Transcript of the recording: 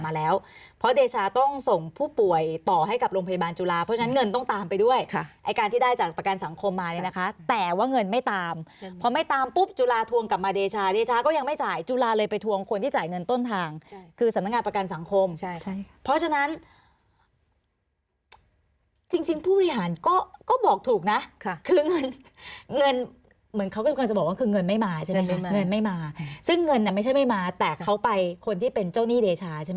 มาแล้วเพราะเดชาต้องส่งผู้ป่วยต่อให้กับโรงพยาบาลจุฬาเพราะฉะนั้นเงินต้องตามไปด้วยค่ะไอ้การที่ได้จากประกันสังคมมานี่นะคะแต่ว่าเงินไม่ตามพอไม่ตามปุ๊บจุฬาทวงกลับมาเดชาเดชาก็ยังไม่จ่ายจุฬาเลยไปทวงคนที่จ่ายเงินต้นทางคือสำนักงานประกันสังคมใช่ค่ะเพราะฉะนั้นจริงจริงผู้อิหารก็